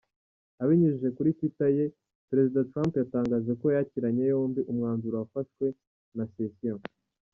Abinyujije kuri Twitter ye, Perezida Trump yatangaje ko yakiranye yombi umwanzuro wafashwe na Sessions.